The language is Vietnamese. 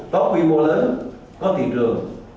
có quy mô lớn có thị trường